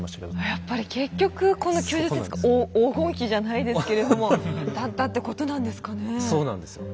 やっぱり結局この９０ｃｍが黄金比じゃないですけれどもだったってことなんですかね。